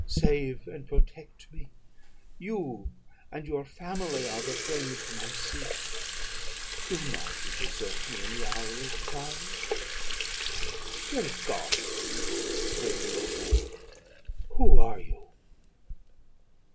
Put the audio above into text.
save and protect me! You and your family are the friends whom I seek. Do not you desert me in the hour of trial!' "'Great God!' exclaimed the old man, 'who are you?'